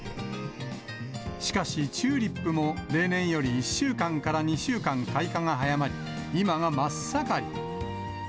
しかしチューリップも、例年より１週間から２週間、開花が早まり、今が真っ盛り。